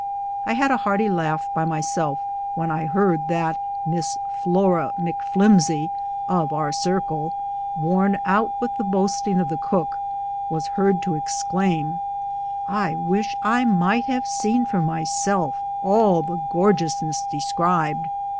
I had a hearty laugh by myself when I heard that the Miss Flora McFlimsey of our circle, worn out with the boasting of the cook, was heard to exclaim, "I wish I might have seen for myself all the gorgeous ness described.